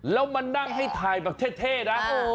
แล้วมานั่งให้ถ่ายแบบเท่นะ